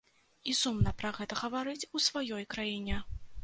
І сумна пра гэта гаварыць у сваёй краіне.